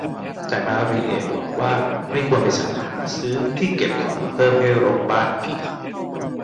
แต่มาริเอะบอกว่าไม่ควรไปสรรหาซื้อที่เก็บของมาเพิ่มให้รกบ้านอีก